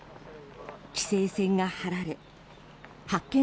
規制線が張られ発見